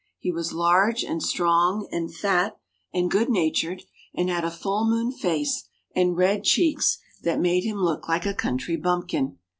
He was large and strong and fat and good natured, and had a full moon face and red cheeks that made him look like a country bumpkin.